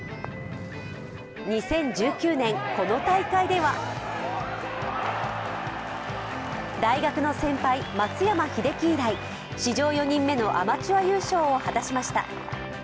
２０１９年、この大会では大学の先輩、松山英樹以来、史上４人目のアマチュア優勝を果たしました。